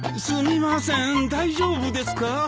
すみません大丈夫ですか？